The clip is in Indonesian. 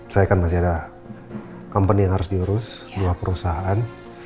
saya kan masih ada company yang harus diurus dua perusahaan